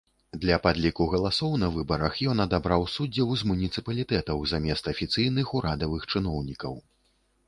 Для падліку галасоў на выбарах ён адабраў суддзяў з муніцыпалітэтаў замест афіцыйных урадавых чыноўнікаў.